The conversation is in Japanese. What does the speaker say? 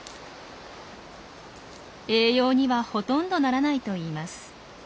栄養にはほとんどならないといいます。